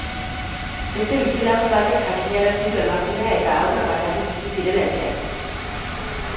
Beste bizilagun batek jakinarazi du emakumea eta haurra bakarrik bizi zirela etxean.